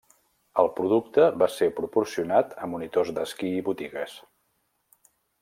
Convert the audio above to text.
El producte va ser proporcionat a monitors d'esquí i botigues.